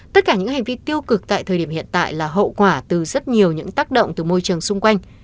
tất cả những hành vi tiêu cực tại thời điểm hiện tại là hậu quả từ rất nhiều những tác động từ môi trường xung quanh